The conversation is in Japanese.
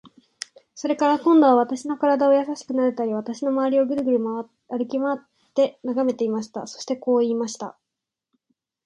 それから、今度は私の身体をやさしくなでたり、私のまわりをぐるぐる歩きまわって眺めていました。そしてこう言いました。